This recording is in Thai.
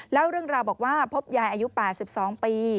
เล่าเรื่องราวบอกว่าพบยายอายุ๘๒ปี